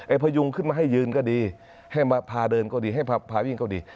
พยุงขึ้นมาให้ยืนก็ดีให้มาพาเดินก็ดีให้พาวิ่งก็ดี